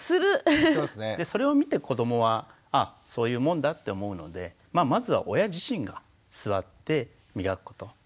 それを見て子どもはあっそういうもんだって思うのでまずは親自身が座って磨くこと。